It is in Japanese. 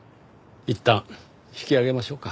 いったん引き揚げましょうか。